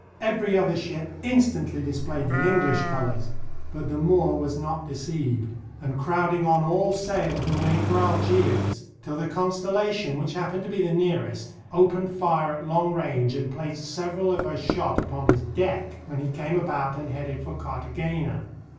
Every other ship instantly displayed the English colors; but the Moor was not deceived, and crowding on all sail he made for Algiers, till the Constellation, which hap pened to be nearest, opened fire at long range and placed several of her shot upon his deck, when he came about and headed for Cartagena.